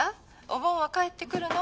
お盆は帰ってくるの？